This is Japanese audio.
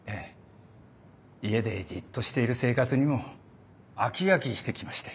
家でじっとしている生活にも飽き飽きしてきまして。